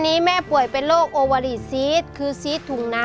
รายการต่อไปนี้เป็นรายการทั่วไปสามารถรับชมได้ทุกวัย